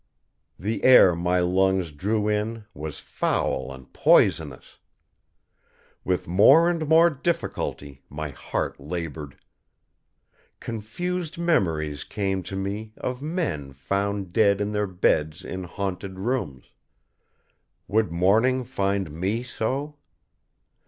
The air my lungs drew in was foul and poisonous. With more and more difficulty my heart labored. Confused memories came to me of men found dead in their beds in haunted rooms. Would morning find me so?